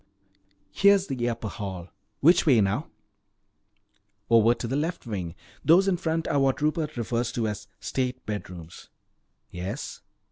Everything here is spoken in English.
Here's the upper hall. Which way now?" "Over to the left wing. These in front are what Rupert refers to as 'state bedrooms.'" "Yes?"